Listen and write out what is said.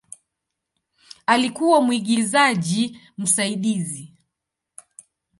Alikuwa mwigizaji msaidizi.